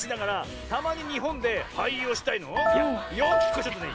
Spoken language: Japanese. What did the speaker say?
よき子ちょっとね